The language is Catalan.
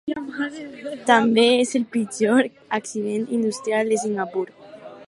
També és el pitjor accident industrial de Singapur.